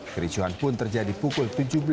kericuan pun terjadi pukul tujuh belas dua puluh